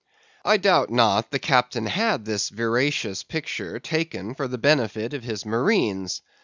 I doubt not the captain had this veracious picture taken for the benefit of his marines.